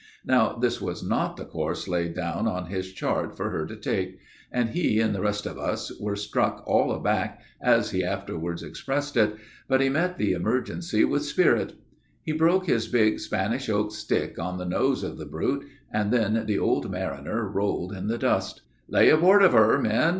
Now, this was not the course laid down on his chart for her to take; and he and the rest of us were struck all aback, as he afterwards expressed it; but he met the emergency with spirit. He broke his big, Spanish oak stick on the nose of the brute, and then the old mariner rolled in the dust. "'Lay aboard of her, men!'